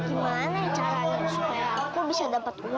gimana caranya supaya aku bisa dapat uang lima puluh ribu